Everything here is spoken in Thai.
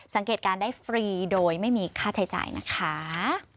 สังเกตการณ์ได้ฟรีโดยไม่มีค่าใช้จ่ายนะคะ